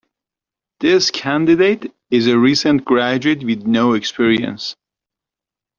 This candidate is a recent graduate with no experience.